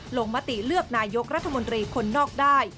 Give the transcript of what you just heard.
มติเลือกนายกรัฐมนตรีคนนอกได้